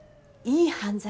いい犯罪？